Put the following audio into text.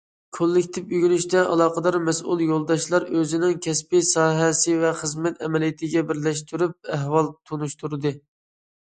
كوللېكتىپ ئۆگىنىشىدە، ئالاقىدار مەسئۇل يولداشلار ئۆزىنىڭ كەسپىي ساھەسى ۋە خىزمەت ئەمەلىيىتىگە بىرلەشتۈرۈپ ئەھۋال تونۇشتۇردى.